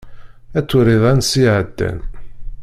Ad twaliḍ ansi εeddan.